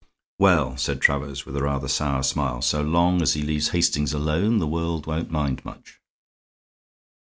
"Well," said Travers, with a rather sour smile, "so long as he leaves Hastings alone the world won't mind much."